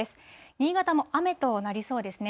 新潟も雨となりそうですね。